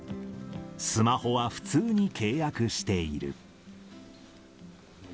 スマホは普通に契約している。